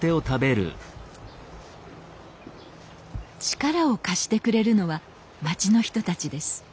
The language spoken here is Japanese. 力を貸してくれるのは町の人たちです。